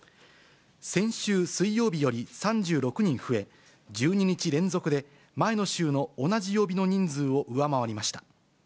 先週水曜日より３６人増え、１２日連続で前の週の同じ曜日の人数を上回りました。